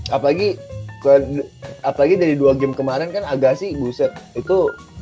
apalagi apalagi dari dua game kemarin kan agassi buset itu